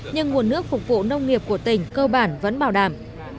nhưng nguồn nước phục vụ nông nghiệp của tỉnh cơ bản vẫn bảo đảm